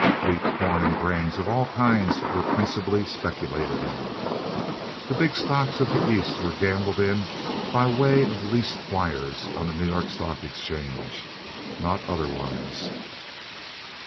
Wheat, corn, and grains of all kinds were principally speculated in. The big stocks of the East were gambled in by way of leased wires on the New York Stock Exchange—not otherwise.